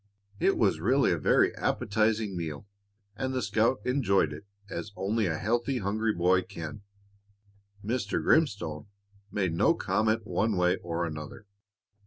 It was really a very appetizing meal, and the scout enjoyed it as only a healthy, hungry boy can. Mr. Grimstone made no comment one way or another.